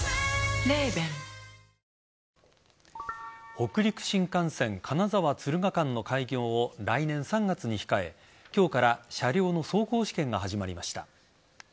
北陸新幹線金沢敦賀間の開業を来年３月に控え今日から車両の走行試験が始まりました。